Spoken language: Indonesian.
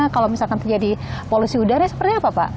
kalau misalkan terjadi polusi udara seperti apa pak